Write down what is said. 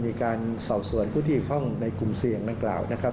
มีการสอบส่วนผู้ที่ห้องในกลุ่ม๔อย่างนักกล่าวนะครับ